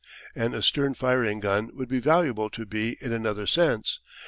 An astern firing gun would be valuable to B in another sense.